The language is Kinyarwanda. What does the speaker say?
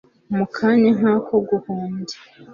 Mu kanya nkako guhumbya